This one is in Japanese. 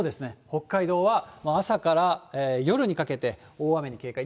北海道は朝から夜にかけて大雨に警戒。